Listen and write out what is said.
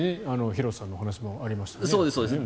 廣瀬さんのお話にもありましたよね。